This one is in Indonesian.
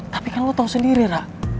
tapi lo tau sendiri ra